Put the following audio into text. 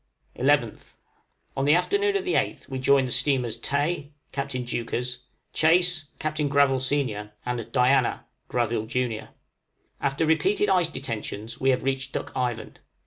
11th. On the afternoon of the 8th we joined the steamers 'Tay,' Captain Deuchars; 'Chase,' Captain Gravill, sen.; and 'Diana,' Gravill, jun. After repeated ice detentions, we have reached Duck Island.